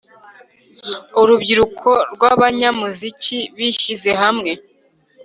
urubyiruko rw'abanyamuziki, bishyize hamwe